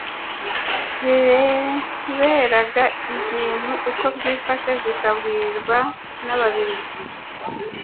Zireberaga ibintu uko byifashe, zikabwirwa n'Ababiligi,